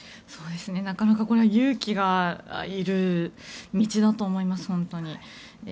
なかなか勇気がいる道だと思います、本当に。